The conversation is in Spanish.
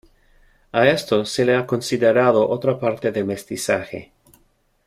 A esto se le ha considerado otra parte del mestizaje.